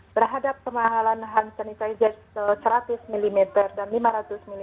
berhadap kemahalan hand sanitizer seratus ml dan lima ratus ml